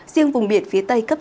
riêng vùng biển phía tây cấp sáu